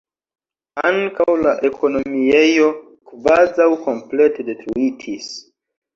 Ankaŭ la ekonomiejo kvazaŭ komplete detruitis.